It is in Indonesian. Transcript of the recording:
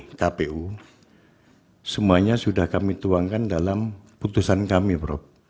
di kpu semuanya sudah kami tuangkan dalam putusan kami prof